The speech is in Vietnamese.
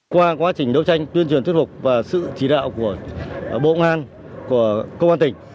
qua quá trình đấu tranh tuyên truyền thuyết phục và sự chỉ đạo của bộ ngoan của công an tỉnh